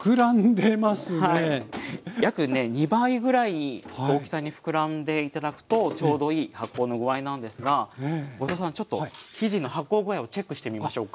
約ね２倍ぐらい大きさにふくらんで頂くとちょうどいい発酵の具合なんですが後藤さんちょっと生地の発酵具合をチェックしてみましょうか。